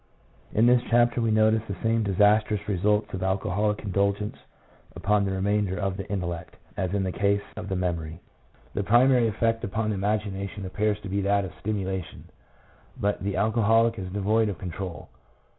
In this chapter we notice the same disastrous results of alcoholic indulgence upon the remainder of the intellect as in the case of the memory. The primary effect upon the imagination appears to be INTELLECT (NOT INCLUDING MEMORY). 103 that of stimulation, but the alcoholic is devoid of con trol.